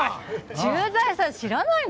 駐在さん知らないの？